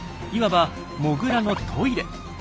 いわばモグラのトイレ。